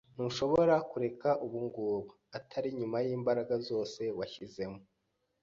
Ntushobora kureka ubungubu, atari nyuma yimbaraga zose washyizemo.